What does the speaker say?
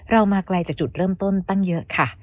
มาไกลจากจุดเริ่มต้นตั้งเยอะค่ะ